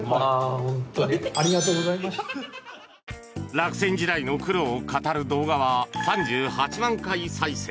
落選時代の苦労を語る動画は３８万回再生。